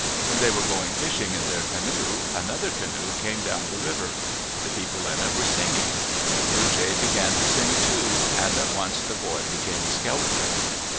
When they were going fishing in their canoe, another canoe came down the river. The people in it were sing ing. Blue Jay began to sing, too, and at once the boy became a skeleton.